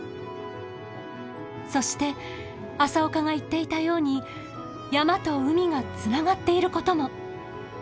そして朝岡が言っていたように山と海がつながっていることも！